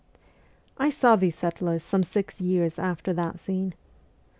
' I saw these settlers some six years after that scene.